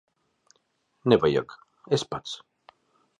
Nevajag. Es pats.